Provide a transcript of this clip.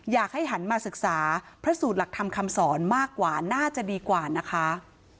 อยากให้หันมาศึกษาพระสูตรหลักธรรมคำสอนมากกว่าน่าจะดีกว่านะคะ